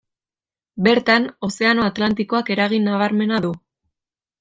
Bertan, ozeano atlantikoak eragin nabarmena du.